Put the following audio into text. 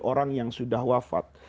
orang yang sudah wafat